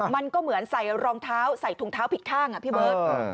มันก็เหมือนใส่รองเท้าใส่ถุงเท้าผิดข้างอ่ะพี่เบิร์ต